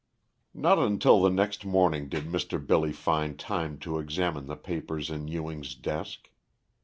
_ Not until the next morning did Mr. Billy find time to examine the papers in Ewing's desk.